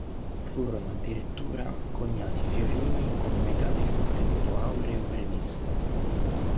Furono addirittura coniati fiorini con metà del contenuto aureo previsto.